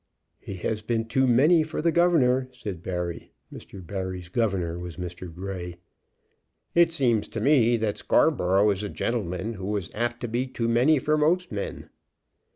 "He has been too many for the governor," said Barry. Mr. Barry's governor was Mr. Grey. "It seems to me that Scarborough is a gentleman who is apt to be too many for most men."